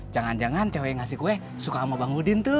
jangan jangan cewek yang ngasih kue suka sama bang udin tuh